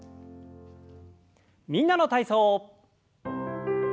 「みんなの体操」。